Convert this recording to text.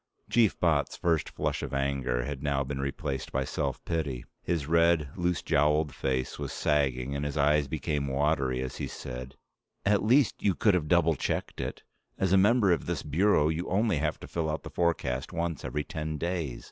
Chief Botts' first flush of anger had now been replaced by self pity. His red, loose jowled face was sagging and his eyes became watery as he said, "At least you could have double checked it. As a member of this Bureau you only have to fill out the forecast once every ten days.